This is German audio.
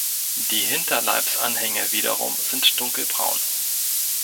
Die Hinterleibsanhänge wiederum sind dunkelbraun.